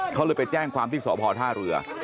เขาเลยไปแจ้งความที่สพท่าเรือ